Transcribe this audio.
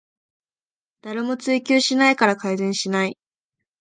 誰も追及しないから改善しない